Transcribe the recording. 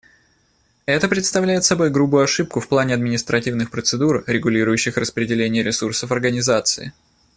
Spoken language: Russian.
Это представляет собой грубую ошибку в плане административных процедур, регулирующих распределение ресурсов Организации.